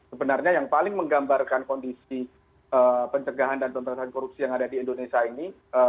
sebenarnya yang paling menggambarkan kondisi pencegahan dan pemberantasan korupsi yang ada di indonesia ini